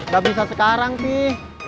gak bisa sekarang pih